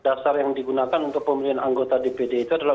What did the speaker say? dasar yang digunakan untuk pemilihan anggota dpd itu adalah